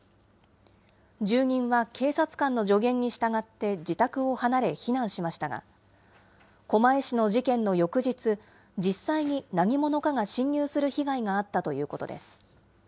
住人は警察官の助言に従って自宅を離れ避難しましたが、狛江市の事件の翌日、実際に何者かが侵入する被害があったということです。